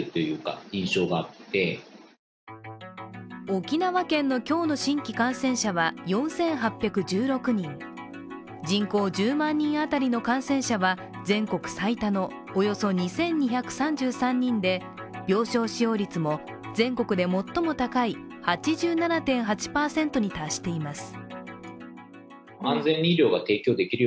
沖縄県の今日の新規感染者は４８１６人人口１０万人あたりの感染者は全国最多のおよそ２２３３人で病床使用率も全国で最も高い８７．８％に達しています。